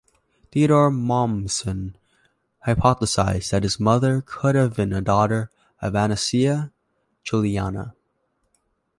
Theodor Mommsen hypothesized that his mother could have been a daughter of Anicia Juliana.